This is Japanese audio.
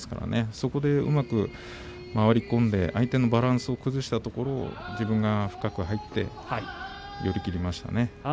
そこをうまく回り込んで相手のバランスを崩して、そこで自分が相手より深く入って寄り切っていますね。